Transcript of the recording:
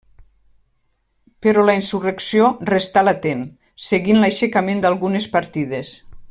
Però la insurrecció restà latent, seguint l'aixecament d'algunes partides.